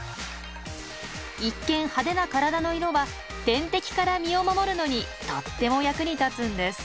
一見派手な体の色は天敵から身を守るのにとっても役に立つんです。